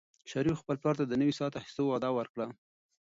شریف خپل پلار ته د نوي ساعت اخیستلو وعده ورکړه.